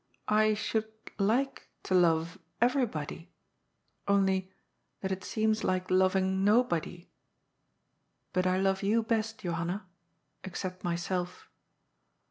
*^ I should like to love everybody, only that it seems like loving nobody. But I love you best, Johanna, except myself."